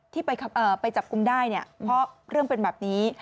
ที่ไปจับกลุ่มได้เนี่ยเพราะเรื่องเป็นแบบนี้